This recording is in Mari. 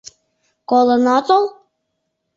Колын отыл?